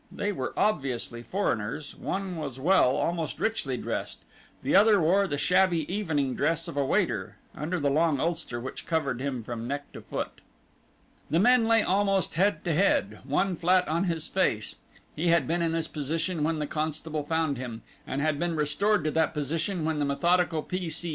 They were obviously foreigners. One was well, almost richly dressed; the other wore the shabby evening dress of a waiter, under the long ulster which covered him from neck to foot. The men lay almost head to head. One flat on his face (he had been in this position when the constable found him, and had been restored to that position when the methodical P. C.